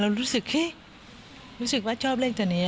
เห้ยรู้สึกว่าชอบเลขเท่านี้